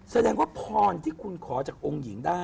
แสดงว่าพรที่ขอจากองค์หญิง